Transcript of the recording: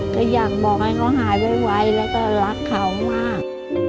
ก็อยากบอกให้เขาหายไวแล้วก็รักเขามาก